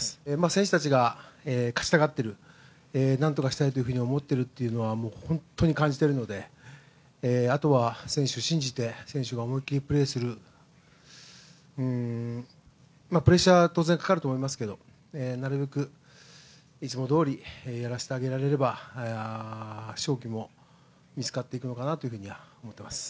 選手たちが勝ちたがっている、何とかしたいと思っているというのはもう本当に感じているのであとは選手を信じて選手が思いっきりプレーする、プレッシャーは当然かかると思いますけれどもなるべくいつもどおりやらせてあげられれば勝機も見つかっていくのかなとは思っています。